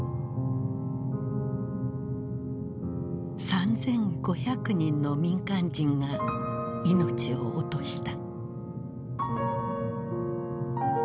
３，５００人の民間人が命を落とした。